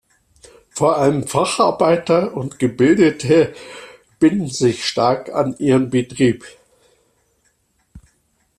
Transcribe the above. Vor allem Facharbeiter und Gebildete binden sich stark an ihren Betrieb.